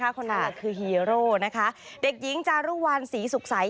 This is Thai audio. นาลีน่ะนะคะคนน่ะคือฮีโร่นะคะเด็กหญิงจารุวันศรีสุขใส